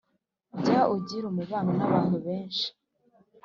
Jya ugirana umubano n’abantu benshi,